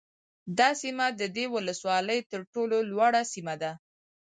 دا سیمه د دې ولسوالۍ ترټولو لوړه سیمه ده